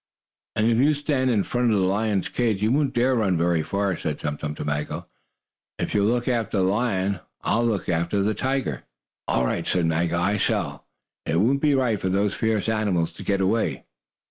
"And if you'll stand in front of the lion's cage, he won't dare run very far," said Tum Tum to Maggo. "If you'll look after the lion, I'll look after the tiger." "All right," said Maggo, "I shall. It would not be right for those fierce animals to get away."